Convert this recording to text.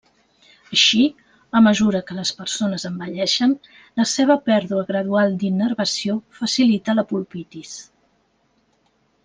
Així, a mesura que les persones envelleixen, la seva pèrdua gradual d'innervació facilita la pulpitis.